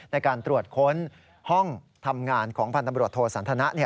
ในการตรวจค้นห้องทำงานของพันธบรวจโทสันทนะ